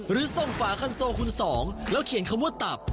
หรือส่งฝาคันโซคุณสองแล้วเขียนคำว่าตับ